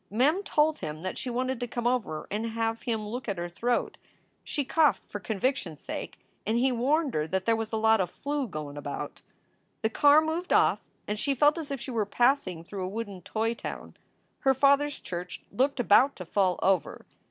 Mem told him that she wanted to come over and have him look at her throat. She coughed for con viction s sake and he warned her that there was a lot of flu. goin about. The car moved off and she felt as if she were passing through a wooden toy town. Her father s church looked about to fall over.